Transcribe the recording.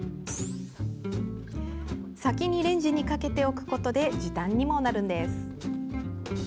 先にレンジにかけておくことで時短にもなるんです。